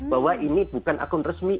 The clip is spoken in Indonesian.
bahwa ini bukan akun resmi